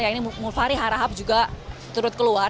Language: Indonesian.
yang ini mufari harahab juga turut keluar